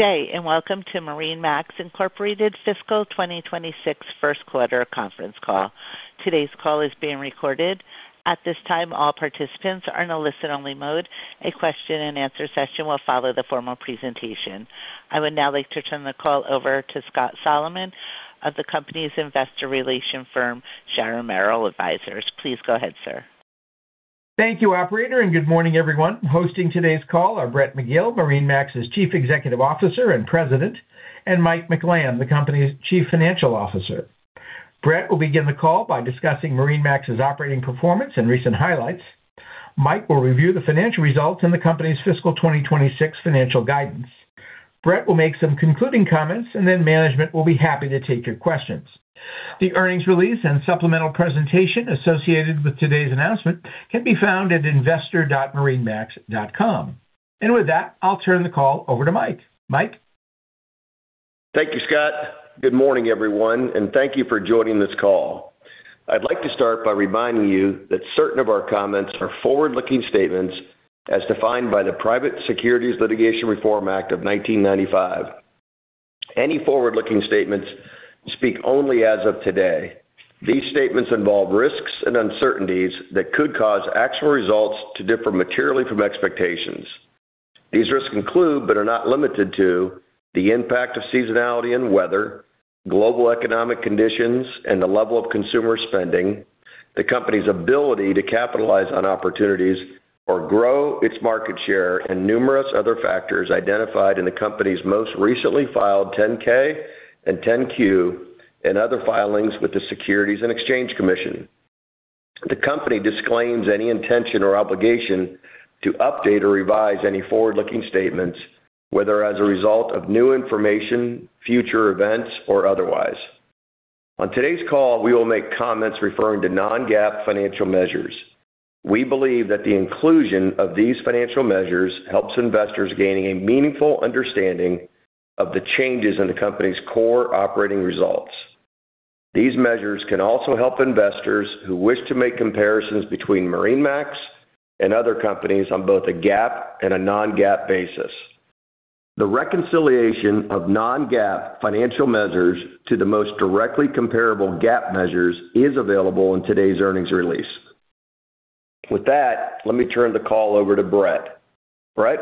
Good day, and welcome to MarineMax Incorporated Fiscal 2026 First Quarter Conference Call. Today's call is being recorded. At this time, all participants are in a listen-only mode. A question-and-answer session will follow the formal presentation. I would now like to turn the call over to Scott Solomon of the company's investor relation firm, Sharon Merrill Advisors. Please go ahead, sir. Thank you, operator, and good morning, everyone. Hosting today's call are Brett McGill, MarineMax's Chief Executive Officer and President, and Mike McLamb, the company's Chief Financial Officer. Brett will begin the call by discussing MarineMax's operating performance and recent highlights. Mike will review the financial results in the company's fiscal 2026 financial guidance. Brett will make some concluding comments, and then management will be happy to take your questions. The earnings release and supplemental presentation associated with today's announcement can be found at investor.marinemax.com. And with that, I'll turn the call over to Mike. Mike? Thank you, Scott. Good morning, everyone, and thank you for joining this call. I'd like to start by reminding you that certain of our comments are forward-looking statements as defined by the Private Securities Litigation Reform Act of 1995. Any forward-looking statements speak only as of today. These statements involve risks and uncertainties that could cause actual results to differ materially from expectations. These risks include, but are not limited to, the impact of seasonality and weather, global economic conditions, and the level of consumer spending, the company's ability to capitalize on opportunities or grow its market share, and numerous other factors identified in the company's most recently filed 10-K and 10-Q and other filings with the Securities and Exchange Commission. The company disclaims any intention or obligation to update or revise any forward-looking statements, whether as a result of new information, future events, or otherwise. On today's call, we will make comments referring to non-GAAP financial measures. We believe that the inclusion of these financial measures helps investors gain a meaningful understanding of the changes in the company's core operating results. These measures can also help investors who wish to make comparisons between MarineMax and other companies on both a GAAP and a non-GAAP basis. The reconciliation of non-GAAP financial measures to the most directly comparable GAAP measures is available in today's earnings release. With that, let me turn the call over to Brett. Brett?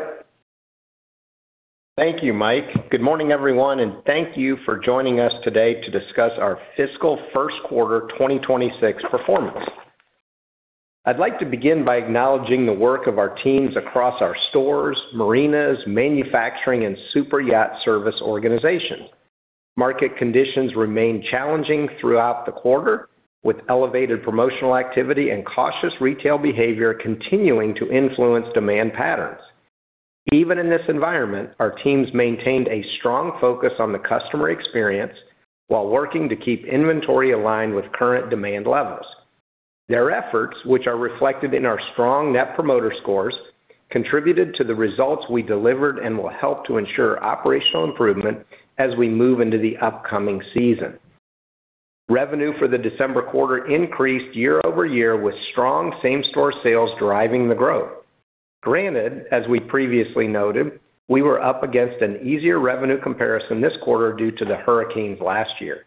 Thank you, Mike. Good morning, everyone, and thank you for joining us today to discuss our fiscal first quarter 2026 performance. I'd like to begin by acknowledging the work of our teams across our stores, marinas, manufacturing, and superyacht service organizations. Market conditions remained challenging throughout the quarter, with elevated promotional activity and cautious retail behavior continuing to influence demand patterns. Even in this environment, our teams maintained a strong focus on the customer experience while working to keep inventory aligned with current demand levels. Their efforts, which are reflected in our strong Net Promoter Scores, contributed to the results we delivered and will help to ensure operational improvement as we move into the upcoming season. Revenue for the December quarter increased year-over-year, with strong same-store sales driving the growth. Granted, as we previously noted, we were up against an easier revenue comparison this quarter due to the hurricanes last year.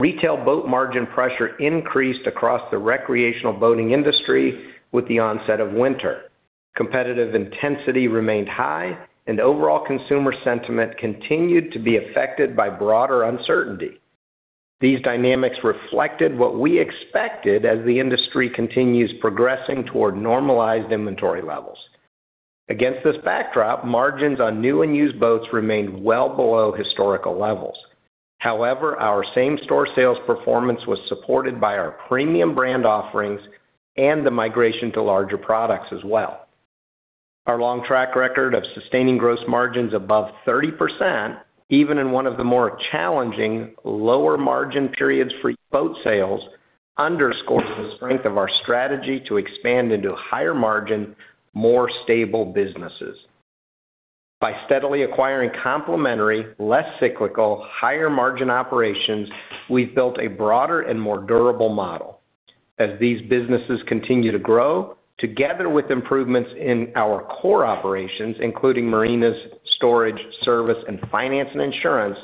Retail boat margin pressure increased across the recreational boating industry with the onset of winter. Competitive intensity remained high and overall consumer sentiment continued to be affected by broader uncertainty. These dynamics reflected what we expected as the industry continues progressing toward normalized inventory levels. Against this backdrop, margins on new and used boats remained well below historical levels. However, our same-store sales performance was supported by our premium brand offerings and the migration to larger products as well. Our long track record of sustaining gross margins above 30%, even in one of the more challenging, lower-margin periods for boat sales, underscores the strength of our strategy to expand into higher-margin, more stable businesses. By steadily acquiring complementary, less cyclical, higher-margin operations, we've built a broader and more durable model. As these businesses continue to grow, together with improvements in our core operations, including marinas, storage, service, and finance and insurance,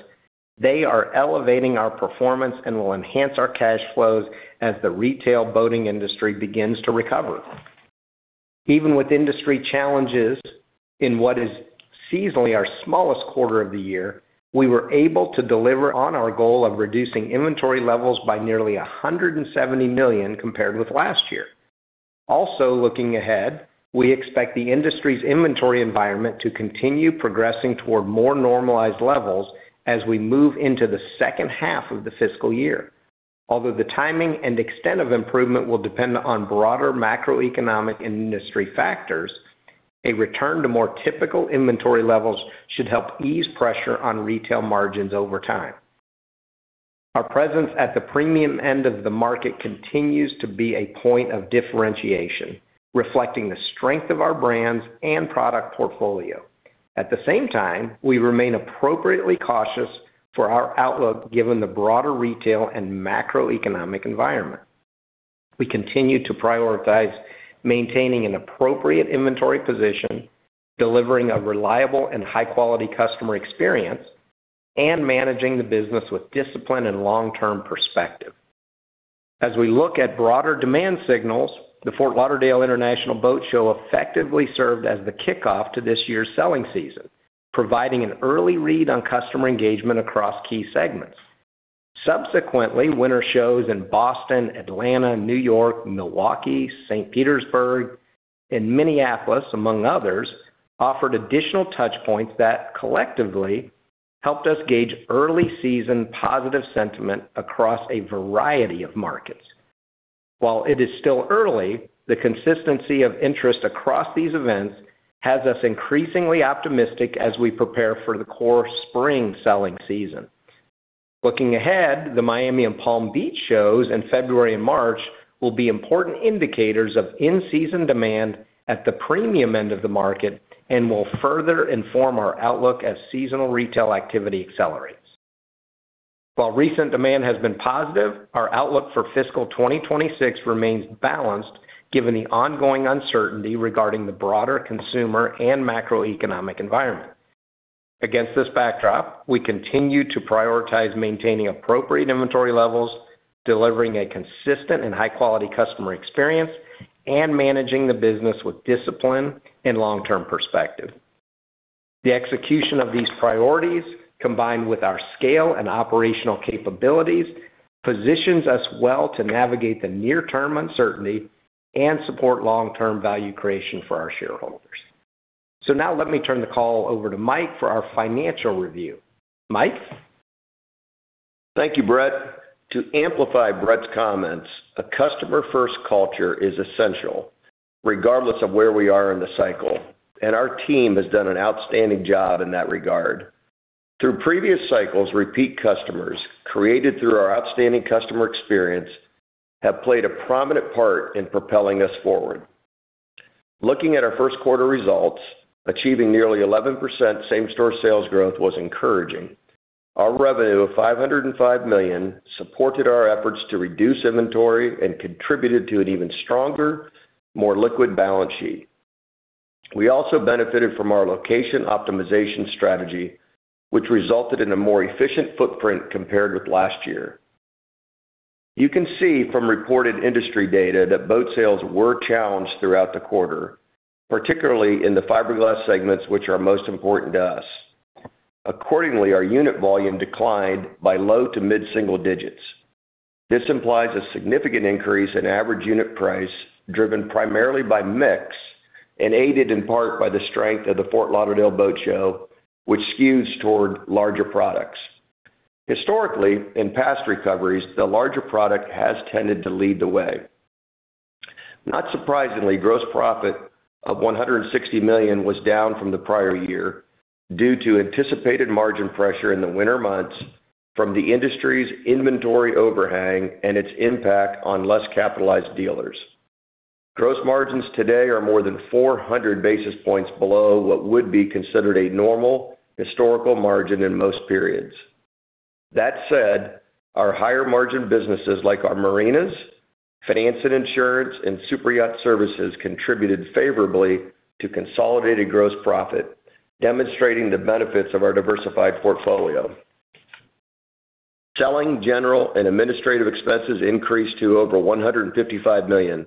they are elevating our performance and will enhance our cash flows as the retail boating industry begins to recover. Even with industry challenges in what is seasonally our smallest quarter of the year, we were able to deliver on our goal of reducing inventory levels by nearly $170 million compared with last year. Also, looking ahead, we expect the industry's inventory environment to continue progressing toward more normalized levels as we move into the second half of the fiscal year. Although the timing and extent of improvement will depend on broader macroeconomic and industry factors, a return to more typical inventory levels should help ease pressure on retail margins over time. Our presence at the premium end of the market continues to be a point of differentiation, reflecting the strength of our brands and product portfolio. At the same time, we remain appropriately cautious for our outlook, given the broader retail and macroeconomic environment. We continue to prioritize maintaining an appropriate inventory position, delivering a reliable and high-quality customer experience, and managing the business with discipline and long-term perspective. As we look at broader demand signals, the Fort Lauderdale International Boat Show effectively served as the kickoff to this year's selling season, providing an early read on customer engagement across key segments. Subsequently, winter shows in Boston, Atlanta, New York, Milwaukee, St. Petersburg and Minneapolis, among others, offered additional touch points that collectively helped us gauge early season positive sentiment across a variety of markets. While it is still early, the consistency of interest across these events has us increasingly optimistic as we prepare for the core spring selling season. Looking ahead, the Miami and Palm Beach shows in February and March will be important indicators of in-season demand at the premium end of the market and will further inform our outlook as seasonal retail activity accelerates. While recent demand has been positive, our outlook for fiscal 2026 remains balanced, given the ongoing uncertainty regarding the broader consumer and macroeconomic environment. Against this backdrop, we continue to prioritize maintaining appropriate inventory levels, delivering a consistent and high-quality customer experience, and managing the business with discipline and long-term perspective. The execution of these priorities, combined with our scale and operational capabilities, positions us well to navigate the near-term uncertainty and support long-term value creation for our shareholders. So now let me turn the call over to Mike for our financial review. Mike? Thank you, Brett. To amplify Brett's comments, a customer-first culture is essential, regardless of where we are in the cycle, and our team has done an outstanding job in that regard. Through previous cycles, repeat customers, created through our outstanding customer experience, have played a prominent part in propelling us forward. Looking at our first quarter results, achieving nearly 11% same-store sales growth was encouraging. Our revenue of $505 million supported our efforts to reduce inventory and contributed to an even stronger, more liquid balance sheet. We also benefited from our location optimization strategy, which resulted in a more efficient footprint compared with last year. You can see from reported industry data that boat sales were challenged throughout the quarter, particularly in the fiberglass segments, which are most important to us. Accordingly, our unit volume declined by low- to mid-single digits. This implies a significant increase in average unit price, driven primarily by mix and aided in part by the strength of the Fort Lauderdale Boat Show, which skews toward larger products. Historically, in past recoveries, the larger product has tended to lead the way. Not surprisingly, gross profit of $160 million was down from the prior year due to anticipated margin pressure in the winter months from the industry's inventory overhang and its impact on less capitalized dealers. Gross margins today are more than 400 basis points below what would be considered a normal historical margin in most periods. That said, our higher margin businesses, like our marinas, finance and insurance, and superyacht services, contributed favorably to consolidated gross profit, demonstrating the benefits of our diversified portfolio. Selling, general, and administrative expenses increased to over $155 million.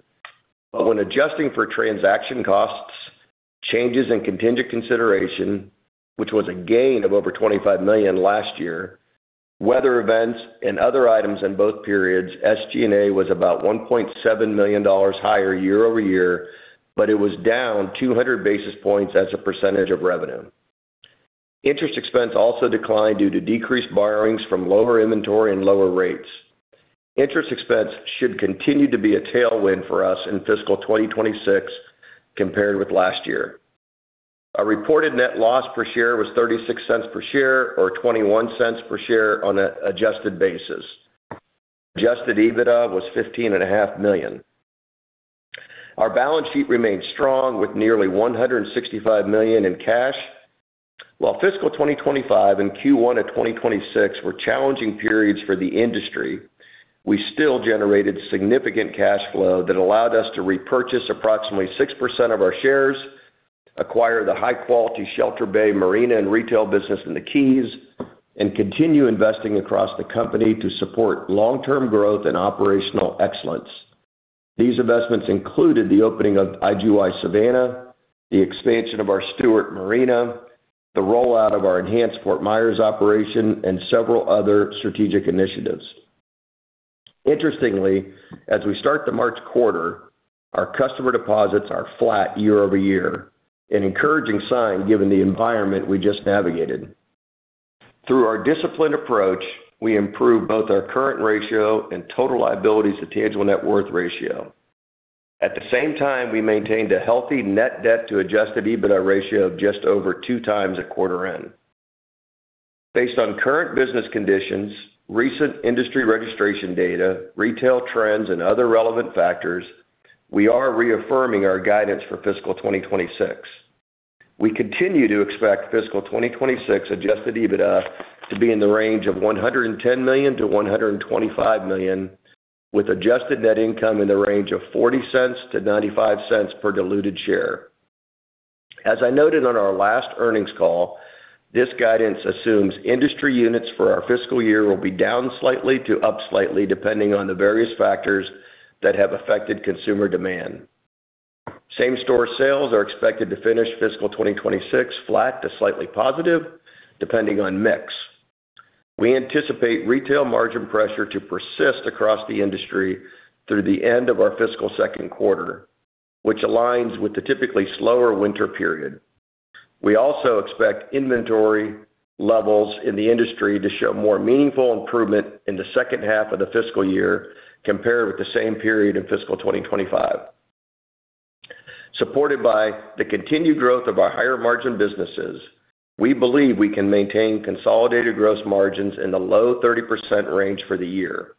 But when adjusting for transaction costs, changes in contingent consideration, which was a gain of over $25 million last year, weather events, and other items in both periods, SG&A was about $1.7 million higher year-over-year, but it was down 200 basis points as a percentage of revenue. Interest expense also declined due to decreased borrowings from lower inventory and lower rates. Interest expense should continue to be a tailwind for us in fiscal 2026 compared with last year. Our reported net loss per share was $0.36 per share or $0.21 per share on an adjusted basis. Adjusted EBITDA was $15.5 million. Our balance sheet remained strong, with nearly $165 million in cash. While fiscal 2025 and Q1 of 2026 were challenging periods for the industry, we still generated significant cash flow that allowed us to repurchase approximately 6% of our shares, acquire the high-quality Shelter Bay Marina and retail business in the Keys, and continue investing across the company to support long-term growth and operational excellence. These investments included the opening of IGY Savannah, the expansion of our Stuart Marina, the rollout of our enhanced Fort Myers operation, and several other strategic initiatives. Interestingly, as we start the March quarter, our customer deposits are flat year-over-year, an encouraging sign given the environment we just navigated. Through our disciplined approach, we improved both our current ratio and total liabilities to tangible net worth ratio. At the same time, we maintained a healthy net debt to Adjusted EBITDA ratio of just over 2x at quarter end. Based on current business conditions, recent industry registration data, retail trends, and other relevant factors, we are reaffirming our guidance for fiscal 2026. We continue to expect fiscal 2026 Adjusted EBITDA to be in the range of $110 million-$125 million, with adjusted net income in the range of $0.40-$0.95 per diluted share. As I noted on our last earnings call, this guidance assumes industry units for our fiscal year will be down slightly to up slightly, depending on the various factors that have affected consumer demand. Same-store sales are expected to finish fiscal 2026 flat to slightly positive, depending on mix. We anticipate retail margin pressure to persist across the industry through the end of our fiscal second quarter, which aligns with the typically slower winter period. We also expect inventory levels in the industry to show more meaningful improvement in the second half of the fiscal year compared with the same period in fiscal 2025. Supported by the continued growth of our higher-margin businesses, we believe we can maintain consolidated gross margins in the low 30% range for the year.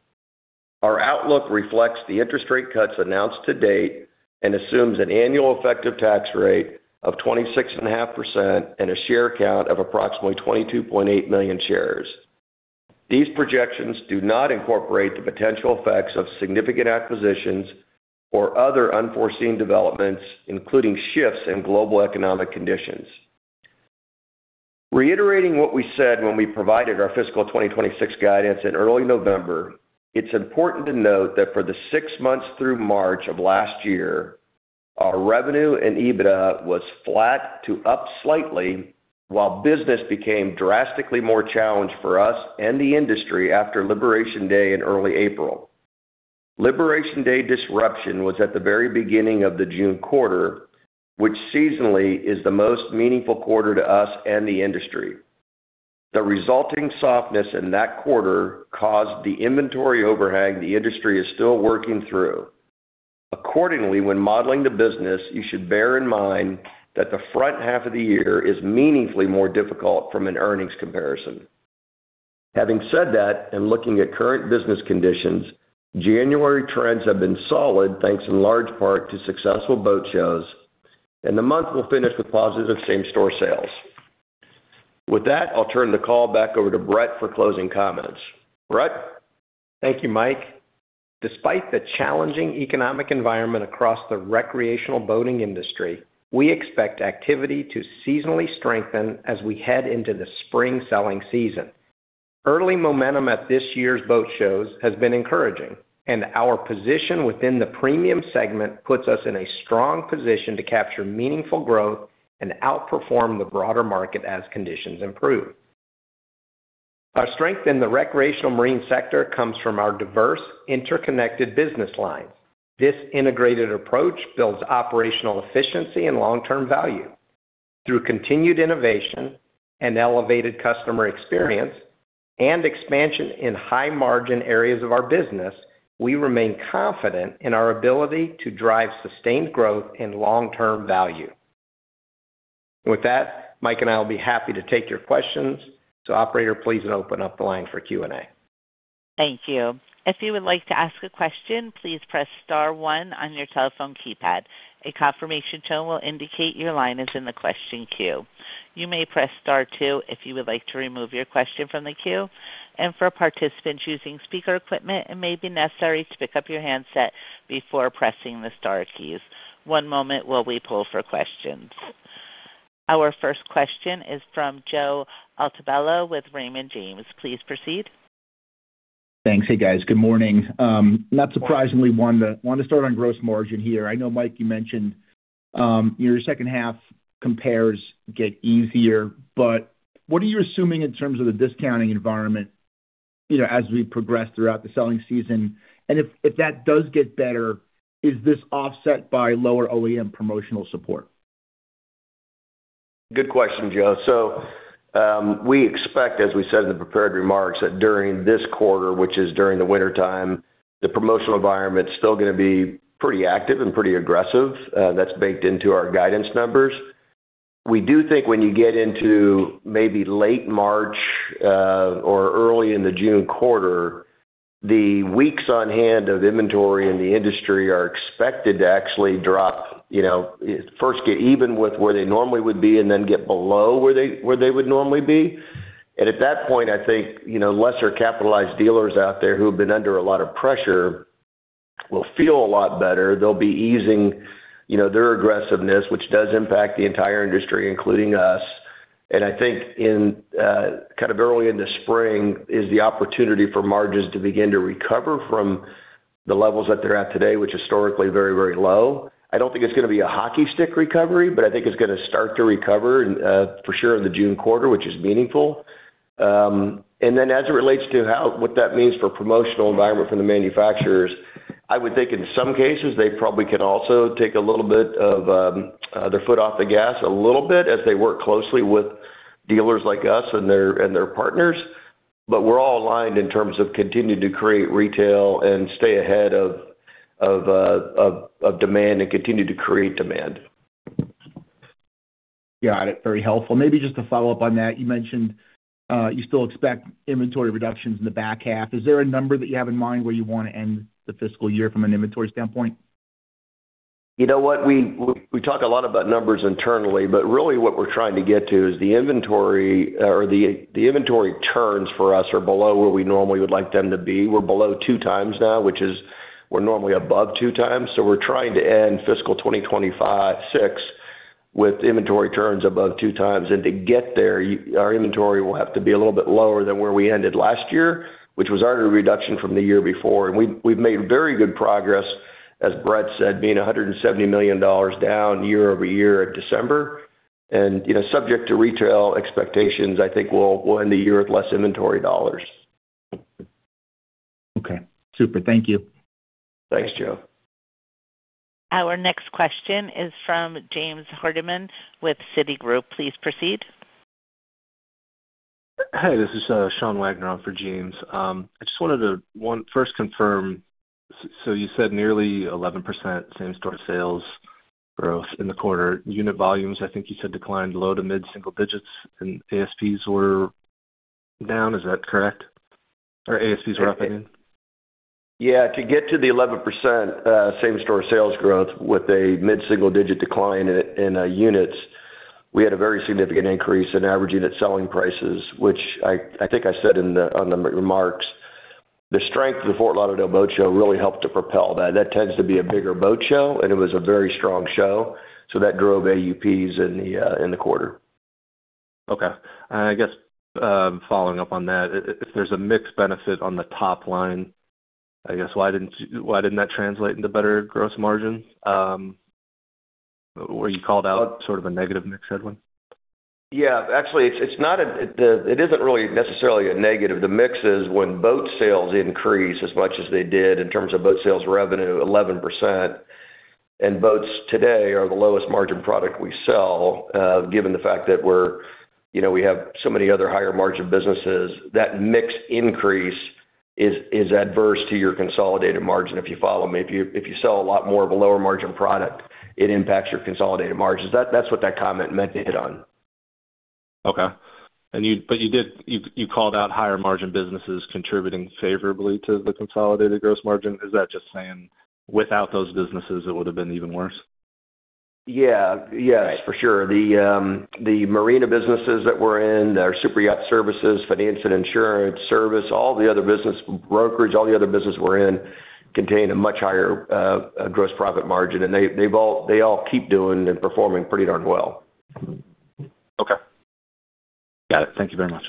Our outlook reflects the interest rate cuts announced to date and assumes an annual effective tax rate of 26.5% and a share count of approximately 22.8 million shares. These projections do not incorporate the potential effects of significant acquisitions or other unforeseen developments, including shifts in global economic conditions. Reiterating what we said when we provided our fiscal 2026 guidance in early November, it's important to note that for the six months through March of last year, our revenue and EBITDA was flat to up slightly, while business became drastically more challenged for us and the industry after Liberation Day in early April. Liberation Day disruption was at the very beginning of the June quarter, which seasonally is the most meaningful quarter to us and the industry. The resulting softness in that quarter caused the inventory overhang the industry is still working through. Accordingly, when modeling the business, you should bear in mind that the front half of the year is meaningfully more difficult from an earnings comparison. Having said that, and looking at current business conditions, January trends have been solid, thanks in large part to successful boat shows, and the month will finish with positive same-store sales. With that, I'll turn the call back over to Brett for closing comments. Brett? Thank you, Mike. Despite the challenging economic environment across the recreational boating industry, we expect activity to seasonally strengthen as we head into the spring selling season. Early momentum at this year's boat shows has been encouraging, and our position within the premium segment puts us in a strong position to capture meaningful growth and outperform the broader market as conditions improve. Our strength in the recreational marine sector comes from our diverse, interconnected business lines. This integrated approach builds operational efficiency and long-term value. Through continued innovation and elevated customer experience and expansion in high-margin areas of our business, we remain confident in our ability to drive sustained growth and long-term value. With that, Mike and I will be happy to take your questions. So operator, please open up the line for Q&A. Thank you. If you would like to ask a question, please press star one on your telephone keypad. A confirmation tone will indicate your line is in the question queue. You may press star two if you would like to remove your question from the queue, and for participants using speaker equipment, it may be necessary to pick up your handset before pressing the star keys. One moment while we pull for questions. Our first question is from Joe Altobello with Raymond James. Please proceed. Thanks. Hey, guys. Good morning. Not surprisingly, want to start on gross margin here. I know, Mike, you mentioned your second half compares get easier, but what are you assuming in terms of the discounting environment, you know, as we progress throughout the selling season? And if that does get better, is this offset by lower OEM promotional support? Good question, Joe. So, we expect, as we said in the prepared remarks, that during this quarter, which is during the wintertime, the promotional environment is still going to be pretty active and pretty aggressive. That's baked into our guidance numbers. We do think when you get into maybe late March, or early in the June quarter, the weeks on hand of inventory in the industry are expected to actually drop, you know, first get even with where they normally would be, and then get below where they would normally be. And at that point, I think, you know, lesser capitalized dealers out there who have been under a lot of pressure will feel a lot better. They'll be easing, you know, their aggressiveness, which does impact the entire industry, including us. I think in kind of early in the spring is the opportunity for margins to begin to recover from the levels that they're at today, which historically, very, very low. I don't think it's going to be a hockey stick recovery, but I think it's going to start to recover for sure in the June quarter, which is meaningful. And then as it relates to what that means for promotional environment for the manufacturers, I would think in some cases, they probably can also take a little bit of their foot off the gas a little bit as they work closely with dealers like us and their partners. But we're all aligned in terms of continuing to create retail and stay ahead of demand and continue to create demand. Got it. Very helpful. Maybe just to follow up on that, you mentioned you still expect inventory reductions in the back half. Is there a number that you have in mind where you want to end the fiscal year from an inventory standpoint? You know what? We talk a lot about numbers internally, but really what we're trying to get to is the inventory or the inventory turns for us are below where we normally would like them to be. We're below two times now, which is, we're normally above two times. So we're trying to end fiscal 2026 with inventory turns above two times. And to get there, our inventory will have to be a little bit lower than where we ended last year, which was already a reduction from the year before. And we've made very good progress, as Brett said, being $170 million down year-over-year at December. And, you know, subject to retail expectations, I think we'll end the year with less inventory dollars. Okay, super. Thank you. Thanks, Joe. Our next question is from James Hardiman with Citigroup. Please proceed. Hey, this is Sean Wagner on for James. I just wanted to, one, first confirm. So you said nearly 11% same-store sales growth in the quarter. Unit volumes, I think you said, declined low-to-mid single digits, and ASPs were down. Is that correct? Or ASPs were up, I mean. Yeah, to get to the 11% same-store sales growth with a mid-single digit decline in units, we had a very significant increase in average unit selling prices, which I think I said in the remarks. The strength of the Fort Lauderdale Boat Show really helped to propel that. That tends to be a bigger boat show, and it was a very strong show, so that drove AUPs in the quarter. Okay. I guess, following up on that, if there's a mixed benefit on the top line, I guess, why didn't, why didn't that translate into better gross margin? Where you called out sort of a negative mix headwind? Yeah, actually, it isn't really necessarily a negative. The mix is when boat sales increase as much as they did in terms of boat sales revenue, 11%, and boats today are the lowest margin product we sell, given the fact that we're, you know, we have so many other higher margin businesses, that mix increase is adverse to your consolidated margin if you follow them. If you sell a lot more of a lower margin product, it impacts your consolidated margins. That's what that comment meant to hit on. Okay. But you called out higher margin businesses contributing favorably to the consolidated gross margin. Is that just saying without those businesses, it would have been even worse? Yeah. Yes, for sure. The marina businesses that we're in, our superyacht services, finance and insurance service, all the other business brokerage, all the other businesses we're in, contain a much higher gross profit margin, and they all keep doing and performing pretty darn well. Okay. Got it. Thank you very much.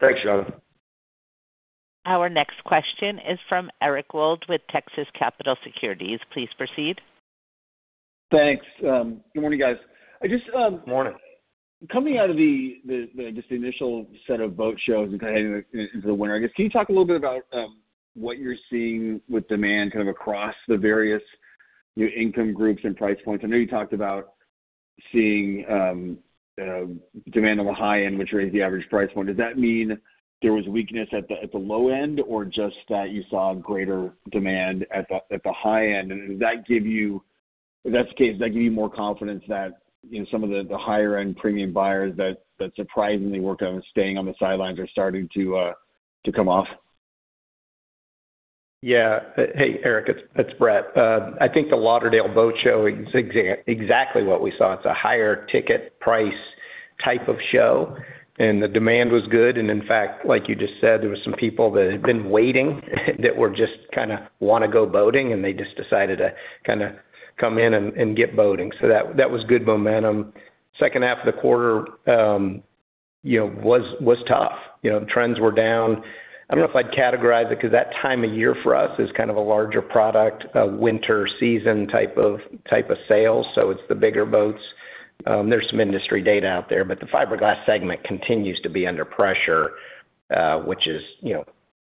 Thanks, Sean. Our next question is from Eric Wold with Texas Capital Securities. Please proceed. Thanks. Good morning, guys. I just, Good morning. Coming out of the just initial set of boat shows and kind of into the winter, I guess, can you talk a little bit about what you're seeing with demand kind of across the various new income groups and price points? I know you talked about seeing demand on the high end, which raised the average price point. Does that mean there was weakness at the low end, or just that you saw greater demand at the high end? And does that give you—if that's the case, does that give you more confidence that, you know, some of the higher end premium buyers that surprisingly worked on staying on the sidelines are starting to come off? Yeah. Hey, Eric, it's Brett. I think the Lauderdale Boat Show is exactly what we saw. It's a higher ticket price type of show, and the demand was good. And in fact, like you just said, there were some people that had been waiting, that were just kind of want to go boating, and they just decided to kind of come in and get boating. So that was good momentum. Second half of the quarter, you know, was tough. You know, trends were down. I don't know if I'd categorize it, because that time of year for us is kind of a larger product, a winter season type of sales, so it's the bigger boats. There’s some industry data out there, but the fiberglass segment continues to be under pressure, which is, you know,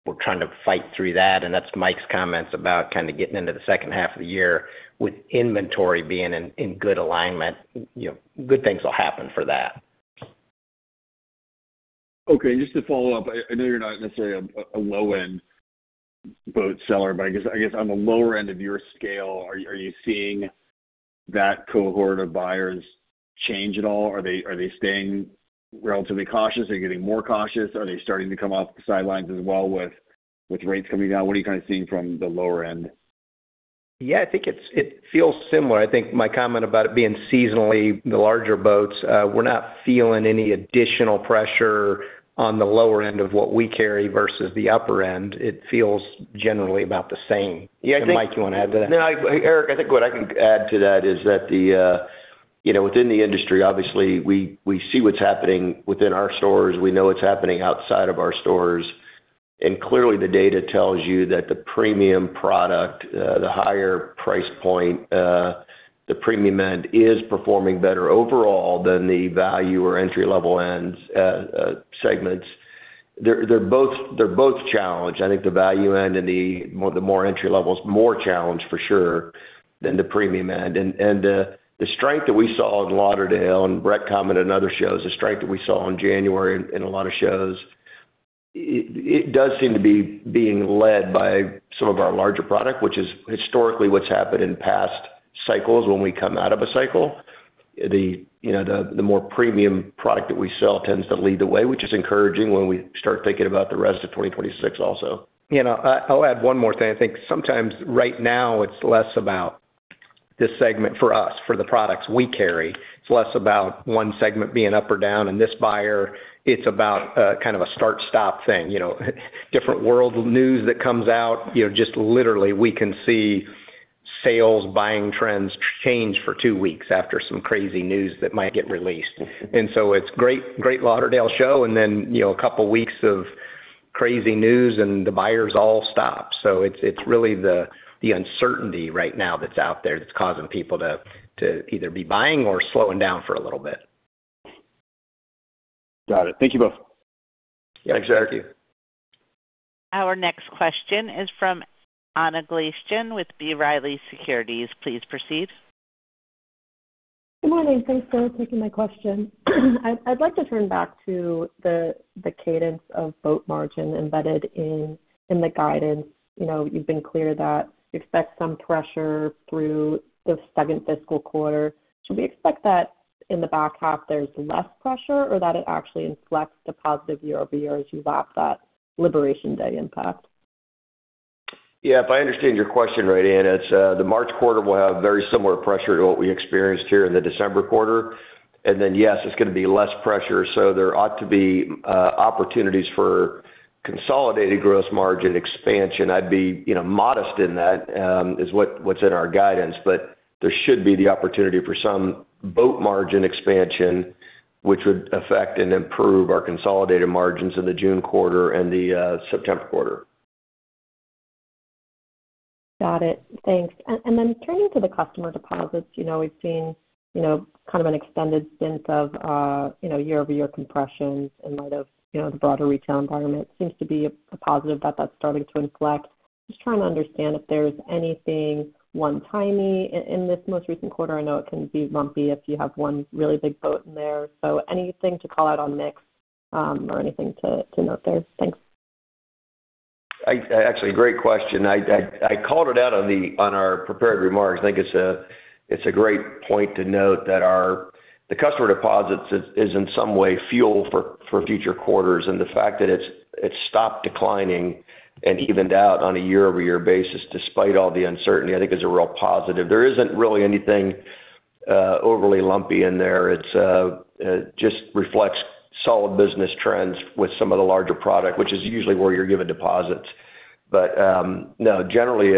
we’re trying to fight through that, and that’s Mike’s comments about kind of getting into the second half of the year with inventory being in good alignment. You know, good things will happen for that. Okay, just to follow up, I know you're not necessarily a low-end boat seller, but I guess on the lower end of your scale, are you seeing that cohort of buyers change at all? Are they staying relatively cautious? Are they getting more cautious? Are they starting to come off the sidelines as well with rates coming down? What are you kind of seeing from the lower end? Yeah, I think it's it feels similar. I think my comment about it being seasonally the larger boats, we're not feeling any additional pressure on the lower end of what we carry versus the upper end. It feels generally about the same. Yeah, I think- Mike, you want to add to that? No, I... Eric, I think what I can add to that is that the, you know, within the industry, obviously, we, we see what's happening within our stores. We know what's happening outside of our stores. And clearly, the data tells you that the premium product, the higher price point, the premium end, is performing better overall than the value or entry-level ends, segments. They're both challenged. I think the value end and the more entry level is more challenged for sure than the premium end. And the strength that we saw in Lauderdale, and Brett commented on other shows, the strength that we saw in January in a lot of shows. It does seem to be being led by some of our larger product, which is historically what's happened in past cycles when we come out of a cycle. You know, the more premium product that we sell tends to lead the way, which is encouraging when we start thinking about the rest of 2026 also. You know, I'll add one more thing. I think sometimes right now, it's less about this segment for us, for the products we carry, it's less about one segment being up or down, and this buyer, it's about kind of a start-stop thing, you know? Different world news that comes out, you know, just literally, we can see sales, buying trends change for two weeks after some crazy news that might get released. And so it's great Fort Lauderdale show, and then, you know, a couple weeks of crazy news, and the buyers all stop. So it's really the uncertainty right now that's out there that's causing people to either be buying or slowing down for a little bit. Got it. Thank you both. Yeah, thank you. Our next question is from Anna Glaessgen with B. Riley Securities. Please proceed. Good morning. Thanks for taking my question. I'd like to turn back to the cadence of boat margin embedded in the guidance. You know, you've been clear that you expect some pressure through the second fiscal quarter. Should we expect that in the back half, there's less pressure, or that it actually inflects the positive year-over-year as you lap that Liberation Day impact? Yeah, if I understand your question right, Anna, it's the March quarter will have very similar pressure to what we experienced here in the December quarter. And then, yes, it's going to be less pressure, so there ought to be opportunities for consolidated gross margin expansion. I'd be, you know, modest in that, is what, what's in our guidance, but there should be the opportunity for some boat margin expansion, which would affect and improve our consolidated margins in the June quarter and the September quarter. Got it. Thanks. And then turning to the customer deposits, you know, we've seen, you know, kind of an extended stint of, you know, year-over-year compressions in light of, you know, the broader retail environment. Seems to be a positive that that's starting to inflect. Just trying to understand if there's anything one-timey in this most recent quarter. I know it can be lumpy if you have one really big boat in there. So anything to call out on mix, or anything to note there? Thanks. Actually, great question. I called it out on our prepared remarks. I think it's a great point to note that our the customer deposits is in some way fuel for future quarters, and the fact that it's stopped declining and evened out on a year-over-year basis, despite all the uncertainty, I think is a real positive. There isn't really anything overly lumpy in there. It's just reflects solid business trends with some of the larger product, which is usually where you're giving deposits. But no, generally,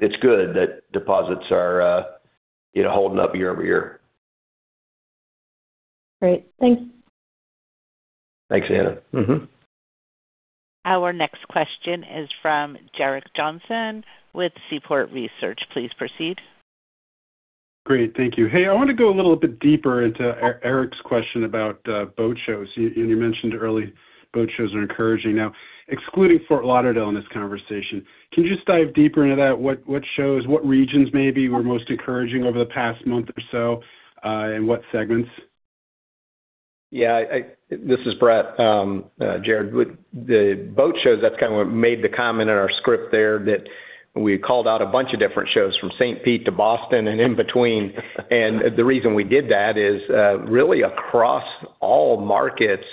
it's good that deposits are you know, holding up year-over-year. Great. Thanks. Thanks, Anna. Mm-hmm. Our next question is from Gerrick Johnson with Seaport Research. Please proceed. Great, thank you. Hey, I want to go a little bit deeper into Eric's question about boat shows. You and you mentioned early boat shows are encouraging. Now, excluding Fort Lauderdale in this conversation, can you just dive deeper into that? What shows, what regions maybe were most encouraging over the past month or so, and what segments? Yeah, this is Brett. Gerrick with the boat shows, that's kind of what made the comment in our script there, that we called out a bunch of different shows from St. Pete to Boston and in between. And the reason we did that is, really across all markets,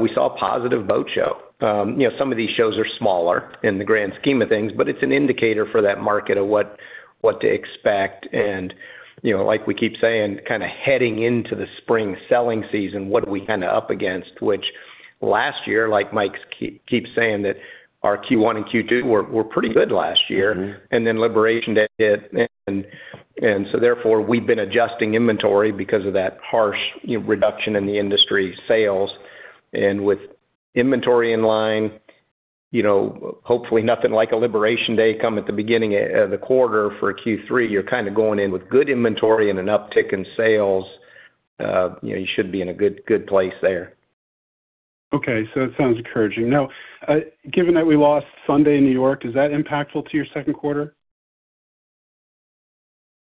we saw a positive boat show. You know, some of these shows are smaller in the grand scheme of things, but it's an indicator for that market of what to expect. You know, like we keep saying, kind of heading into the spring selling season, what are we kind of up against? Which last year, like Mike keeps saying, that our Q1 and Q2 were pretty good last year. And then Liberation Day hit, and so therefore, we've been adjusting inventory because of that harsh, you know, reduction in the industry sales. And with inventory in line, you know, hopefully nothing like a Liberation Day come at the beginning of the quarter for a Q3. You're kind of going in with good inventory and an uptick in sales. You know, you should be in a good, good place there. Okay, so that sounds encouraging. Now, given that we lost Sunday in New York, is that impactful to your second quarter?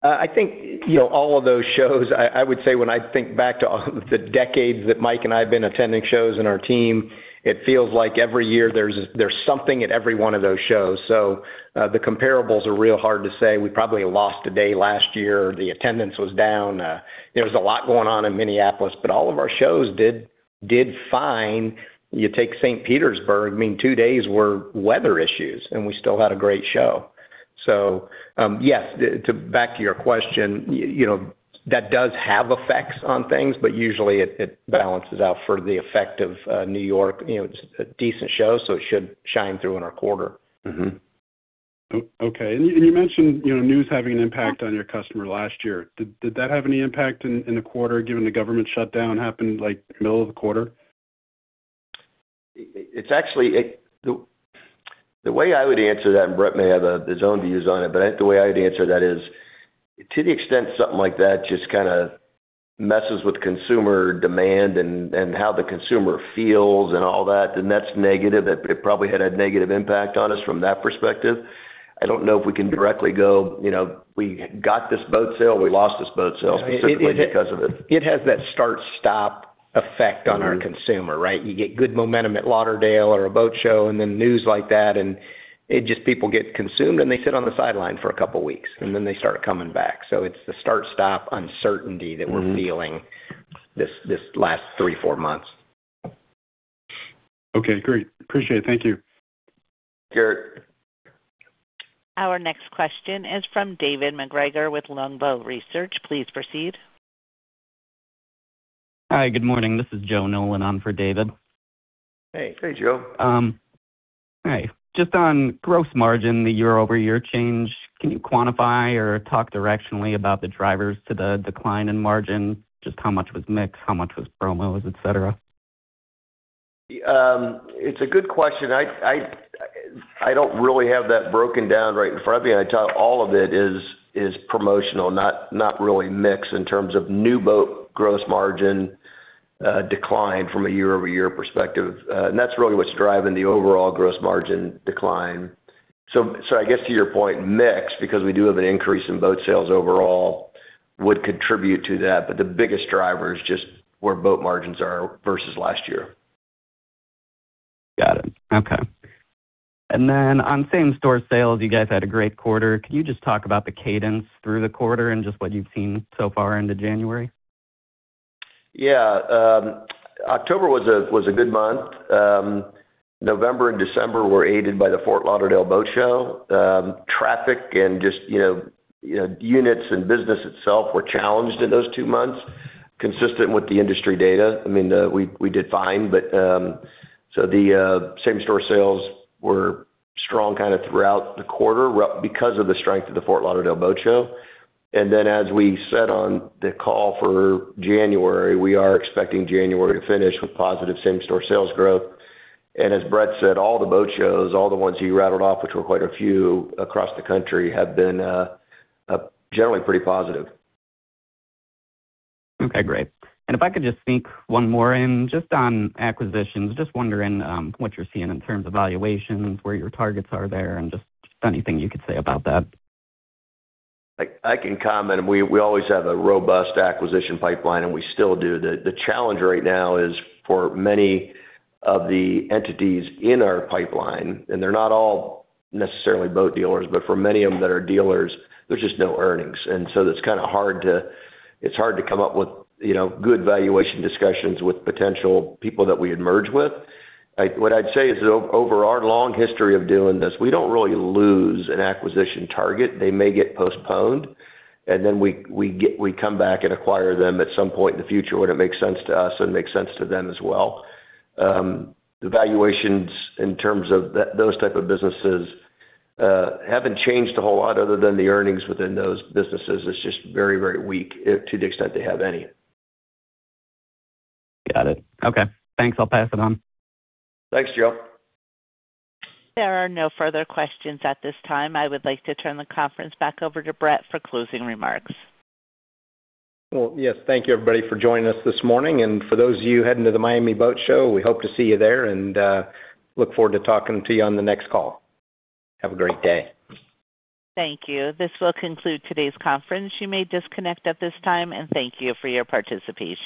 I think, you know, all of those shows, I would say when I think back to all the decades that Mike and I have been attending shows and our team, it feels like every year there's something at every one of those shows. So, the comparables are real hard to say. We probably lost a day last year, the attendance was down. There was a lot going on in Minneapolis, but all of our shows did fine. You take St. Petersburg, I mean, two days were weather issues, and we still had a great show. So, yes, back to your question, you know, that does have effects on things, but usually it balances out for the effect of New York. You know, it's a decent show, so it should shine through in our quarter. Mm-hmm. Okay, and you mentioned, you know, news having an impact on your customer last year. Did that have any impact in the quarter, given the government shutdown happened, like, middle of the quarter? It's actually the way I would answer that, and Brett may have his own views on it, but I think the way I'd answer that is, to the extent something like that just kind of messes with consumer demand and how the consumer feels and all that, then that's negative. It probably had a negative impact on us from that perspective. I don't know if we can directly go, you know, we got this boat sale, we lost this boat sale specifically because of it. It has that start, stop effect on our consumer, right? You get good momentum at Lauderdale or a boat show, and then news like that, and it just people get consumed, and they sit on the sideline for a couple of weeks, and then they start coming back. So it's the start, stop uncertainty that we're feeling this, this last three, four months. Okay, great. Appreciate it. Thank you. Sure. Our next question is from David MacGregor with Longbow Research. Please proceed. Hi, good morning. This is Joe Nolan on for David. Hey. Hey, Joe. Hi. Just on gross margin, the year-over-year change, can you quantify or talk directionally about the drivers to the decline in margin? Just how much was mix, how much was promos, et cetera? It's a good question. I don't really have that broken down right in front of me. I'd tell all of it is promotional, not really mix in terms of new boat gross margin, decline from a year-over-year perspective. And that's really what's driving the overall gross margin decline. So I guess to your point, mix, because we do have an increase in boat sales overall, would contribute to that, but the biggest driver is just where boat margins are versus last year. Got it. Okay. And then on same-store sales, you guys had a great quarter. Could you just talk about the cadence through the quarter and just what you've seen so far into January? Yeah. October was a good month. November and December were aided by the Fort Lauderdale Boat Show. Traffic and just, you know, units and business itself were challenged in those two months, consistent with the industry data. I mean, we did fine, but so the same-store sales were strong kind of throughout the quarter, because of the strength of the Fort Lauderdale Boat Show. And then, as we said on the call for January, we are expecting January to finish with positive same-store sales growth. And as Brett said, all the boat shows, all the ones you rattled off, which were quite a few across the country, have been generally pretty positive. Okay, great. And if I could just sneak one more in, just on acquisitions, just wondering what you're seeing in terms of valuations, where your targets are there, and just anything you could say about that. I can comment. We always have a robust acquisition pipeline, and we still do. The challenge right now is for many of the entities in our pipeline, and they're not all necessarily boat dealers, but for many of them that are dealers, there's just no earnings. And so it's kind of hard to—it's hard to come up with, you know, good valuation discussions with potential people that we would merge with. What I'd say is, over our long history of doing this, we don't really lose an acquisition target. They may get postponed, and then we come back and acquire them at some point in the future when it makes sense to us and makes sense to them as well. The valuations in terms of those type of businesses haven't changed a whole lot other than the earnings within those businesses. It's just very, very weak to the extent they have any. Got it. Okay. Thanks. I'll pass it on. Thanks, Joe. There are no further questions at this time. I would like to turn the conference back over to Brett for closing remarks. Well, yes, thank you, everybody, for joining us this morning. For those of you heading to the Miami Boat Show, we hope to see you there, and look forward to talking to you on the next call. Have a great day. Thank you. This will conclude today's conference. You may disconnect at this time, and thank you for your participation.